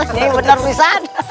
ini bener pisah